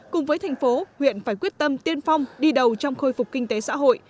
cùng với thành phố huyện phải quyết tâm tiên phong đi đầu trong khôi phục kinh tế xã hội